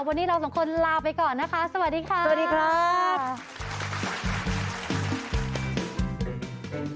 วันนี้เราสองคนลาไปก่อนนะคะสวัสดีค่ะ